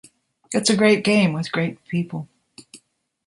It's a great game with great people.